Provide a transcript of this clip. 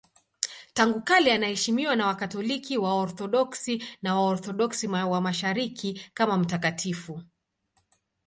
Tangu kale anaheshimiwa na Wakatoliki, Waorthodoksi na Waorthodoksi wa Mashariki kama mtakatifu.